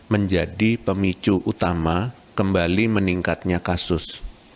menjadi pemicu utama kembali meningkatnya kasus